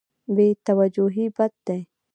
بې توجهي بد دی.